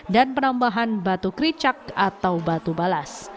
dan penambahan batu kericak atau batu balas